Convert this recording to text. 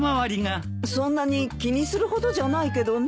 そんなに気にするほどじゃないけどね。